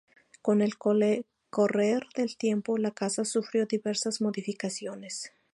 Con el correr del tiempo la casa sufrió diversas modificaciones.